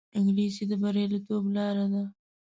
انګلیسي د بریالیتوب لار ده